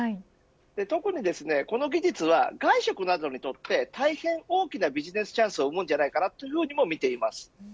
特にですね、この技術は外食などにとって大変大きなビジネスチャンスを生むんじゃないかとみています。